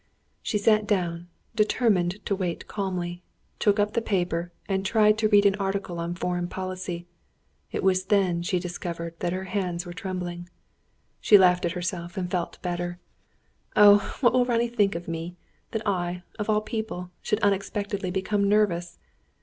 She sat down, determined to wait calmly; took up the paper and tried to read an article on foreign policy. It was then she discovered that her hands were trembling. She laughed at herself, and felt better. "Oh, what will Ronnie think of me! That I, of all people, should unexpectedly become nervous!"